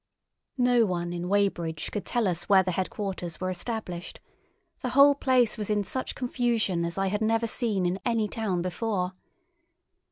No one in Weybridge could tell us where the headquarters were established; the whole place was in such confusion as I had never seen in any town before.